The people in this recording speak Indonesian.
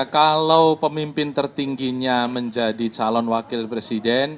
kalau pemimpin tertingginya menjadi calon wakil presiden